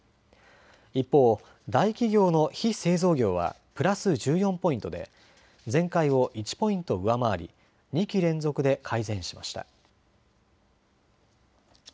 一方、大企業の非製造業はプラス１４ポイントで前回を１ポイント上回り２期連続で改善しました。